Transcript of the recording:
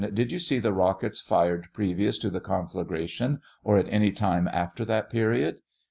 Did you see the rockets fired previous to the con flagration, or at any time after that period